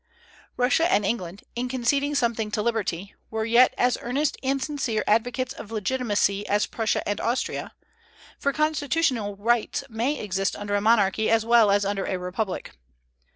Russia and England, in conceding something to liberty, were yet as earnest and sincere advocates of legitimacy as Prussia and Austria; for constitutional rights may exist under a monarchy as well as under a republic.